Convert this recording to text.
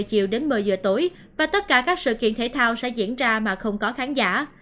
chiều đến một mươi giờ tối và tất cả các sự kiện thể thao sẽ diễn ra mà không có khán giả